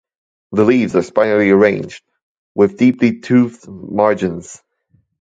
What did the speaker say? The leaves are spirally arranged, with deeply toothed margins.